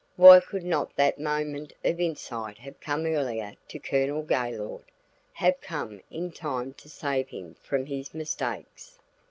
Why could not that moment of insight have come earlier to Colonel Gaylord, have come in time to save him from his mistakes?